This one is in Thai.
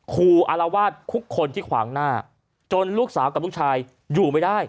อารวาสทุกคนที่ขวางหน้าจนลูกสาวกับลูกชายอยู่ไม่ได้